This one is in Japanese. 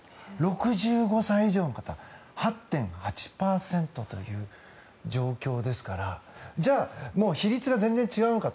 ６５歳以上の方８．８％という状況ですからじゃあ、比率が全然違うのか。